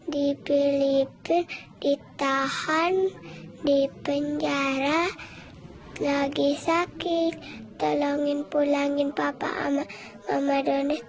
di filipina ditahan di penjara lagi sakit tolongin pulangin papa sama mama dones